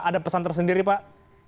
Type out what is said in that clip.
ada pesan tersendiri pak